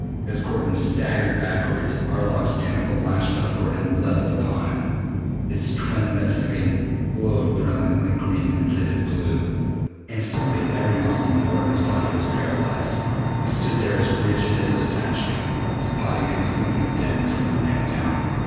As Gordon staggered backward, Arlok's tentacle lashed upward and levelled upon him. Its twin tips again glowed brilliant green and livid blue. Instantly every muscle in Gordon's body was paralyzed. He stood there as rigid as a statue, his body completely deadened from the neck down.